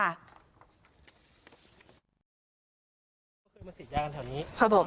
เคยมาสีดยากันแถวนี้ครับผม